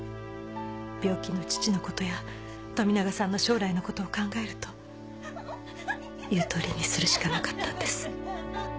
病気の父のことや富永さんの将来のことを考えると言うとおりにするしかなかったんです。